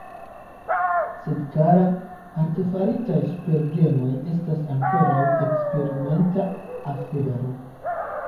Sed kara, artefaritaj supergenoj estas ankoraŭ eksperimenta afero!